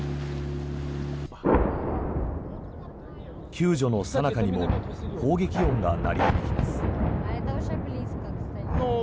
救助のさなかにも砲撃音が鳴り響きます。